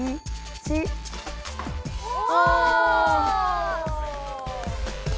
お！